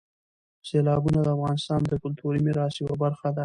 سیلابونه د افغانستان د کلتوري میراث یوه برخه ده.